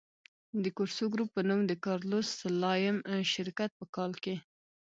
د کورسو ګروپ په نوم د کارلوس سلایم شرکت په کال کې.